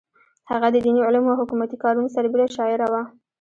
هغه د دیني علومو او حکومتي کارونو سربېره شاعره وه.